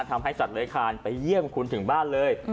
ทำให้สัตว์เลื้อยคานไปเยี่ยมคุณถึงบ้านเลย